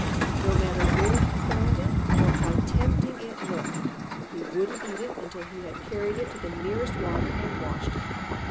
No matter where he found it or how tempting it looked, he wouldn't eat it until he had carried it to the nearest water and washed it.